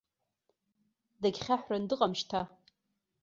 Дагьхьаҳәран дыҟам шьҭа.